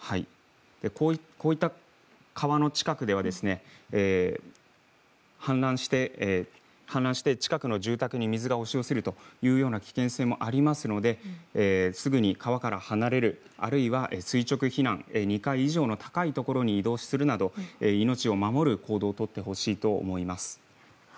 こういった川の近くでは氾濫して近くの住宅に水が押し寄せるというような危険性もありますのですぐに川から離れる、あるいは垂直避難、２階以上の高い所に移動するなど命を守る行動を取ってほしいと思います。